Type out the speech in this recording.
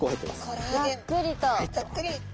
ざっくりと。